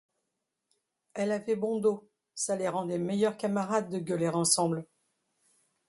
Elle avait bon dos ; ça les rendait meilleurs camarades de gueuler ensemble.